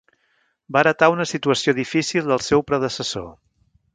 Va heretar una situació difícil del seu predecessor.